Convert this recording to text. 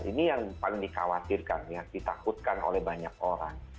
ini yang paling dikhawatirkan yang ditakutkan oleh banyak orang